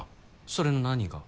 それの何が？